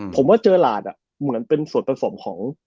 ผมว่าเจอหลาดเหมือนเป็นส่วนผสมของ